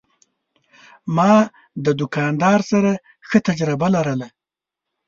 ما د دوکاندار سره ښه تجربه لرله.